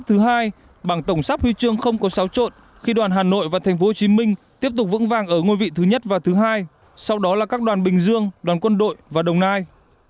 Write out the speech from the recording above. thứ hai bảng tổng sắp huy chương không có xáo trộn khi đoàn hà nội và tp hcm tiếp tục vững vàng ở ngôi vị thứ nhất và thứ hai sau đó là các đoàn bình dương đoàn quân đội và đồng nai